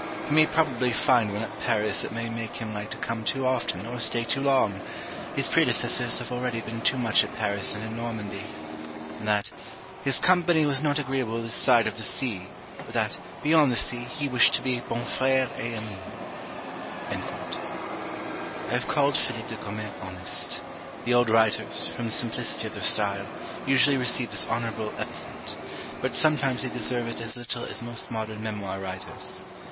He may probably find one at Paris that may make him like to come too often, or stay too long. His predecessors have already been too much at Paris and in Normandy;' and that 'his company was not agreeable this side of the sea; but that, beyond the sea, he wished to be bon frère et amy.'" I have called Philip de Comines honest. The old writers, from the simplicity of their style, usually receive this honourable epithet; but sometimes they deserve it as little as most modern memoir writers.